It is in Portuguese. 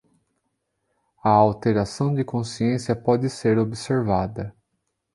A alteração de consciência pode ser observada